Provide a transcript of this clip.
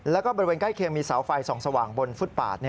แล้วก็บริเวณใกล้เคียงมีเสาไฟส่องสว่างบนฟุตปาด